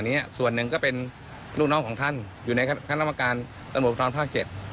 เนี้ยส่วนหนึ่งก็เป็นลูกน้องของท่านอยู่ในขั้นรัฐประการสมบัติประทานภาคเจ็ด